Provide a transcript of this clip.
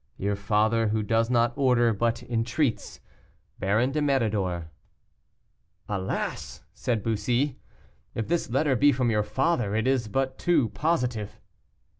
"Your father, who does not order, but entreats, "BARON DE MÉRIDOR." "Alas!" said Bussy, "if this letter be from your father, it is but too positive."